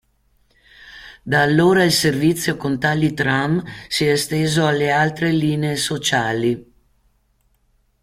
Da allora il servizio con tali tram si è esteso alle altre linee sociali.